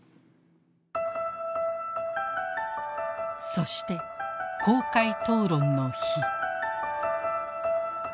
そして公開討論の日。